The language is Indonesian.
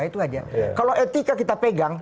itu aja kalau etika kita pegang